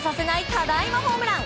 ただいまホームラン！